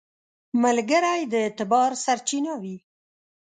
ملګری د اعتبار سرچینه وي